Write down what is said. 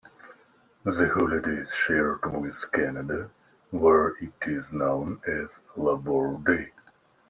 The holiday is shared with Canada, where it is known as Labour Day.